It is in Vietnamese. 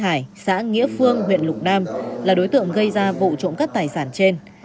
hải xã nghĩa phương huyện lục nam là đối tượng gây ra vụ trộm cắp tài sản trên